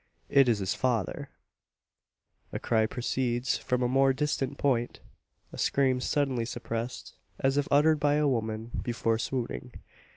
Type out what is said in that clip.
It is his father! A cry proceeds from a more distant point a scream suddenly suppressed, as if uttered by a woman before swooning.